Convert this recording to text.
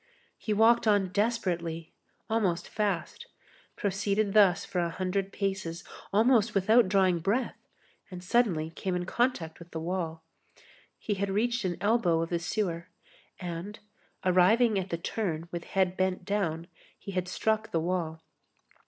He walked on desperately, almost fast, proceeded thus for a hundred paces, almost without drawing breath, and suddenly came in contact with the wall. He had reached an elbow of the sewer, and, arriving at the turn with head bent down, he had struck the wall.